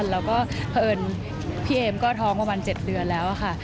พระเอิญก็ท้อง๗เดือนแล้วค่ะ